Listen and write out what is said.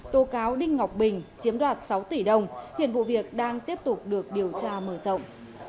tố cáo đinh ngọc bình chiếm đoạt sáu tỷ đồng hiện vụ việc đang tiếp tục được điều tra mở rộng